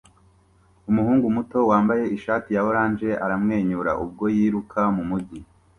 Umuhungu muto wambaye ishati ya orange aramwenyura ubwo yiruka mumujyi